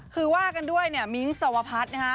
คือว่ากันด้วยมิงสวพัตย์